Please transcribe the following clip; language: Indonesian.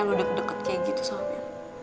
samp lo deket deket kayak gitu sama